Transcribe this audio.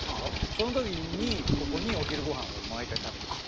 そのときにここにお昼ご飯を毎回食べに来てた。